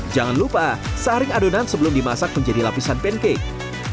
jangan lupa saring adonan sebelum dimasak menjadi lapisan pancake